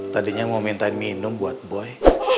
tadinya mau mintain minum buat boy